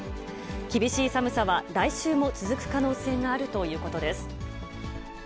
厳しい寒さは、来週も続く可能性があるということです。